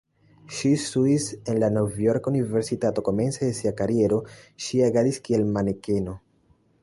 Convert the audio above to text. Ŝi studis en la Novjorka Universitato, komence de sia kariero ŝi agadis kiel manekeno.